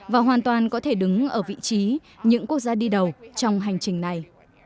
và hoàn toàn có thể đứng ở vị trí những quốc gia đi đầu trong hành trình này